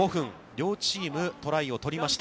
両チーム、トライを取りました。